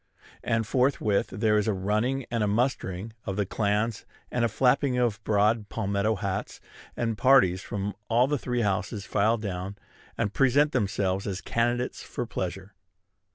And forthwith there is a running and a mustering of the clans, and a flapping of broad palmetto hats; and parties from all the three houses file down, and present themselves as candidates for pleasure.